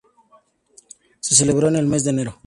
Se celebró en el mes de enero.